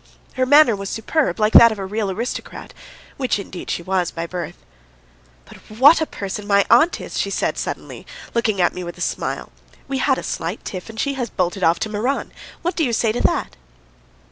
Her manner was superb like that of a real aristocrat, which indeed she was by birth. "But what a person my aunt is!" she said suddenly, looking at me with a smile. "We had a slight tiff, and she has bolted off to Meran. What do you say to that?"